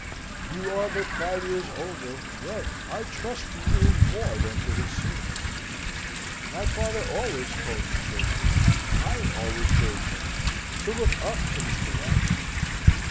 You are but five years older, yet I trust to you more than to his seniors; my father always told the children, I alway bade them, to look up to Mr. Washington."